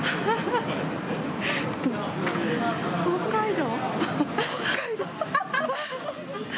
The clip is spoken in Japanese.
北海道！